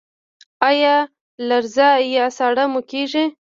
ایا لرزه یا ساړه مو کیږي؟